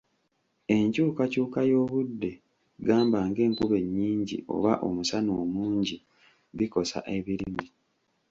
Enkyukakyuka y’obudde gamba ng’enkuba ennyingi oba omusana omungi bikosa ebirime.